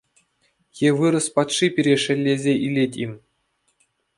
Е вырӑс патши пире шеллесе илет-им?